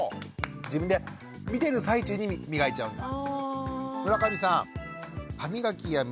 自分で見てる最中に磨いちゃうんだ。